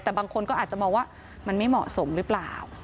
แต่บางคนก็อาจจะมองว่ามันไม่เหมาะสมหรือเปล่า